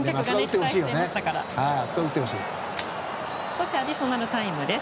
そしてアディショナルタイムです。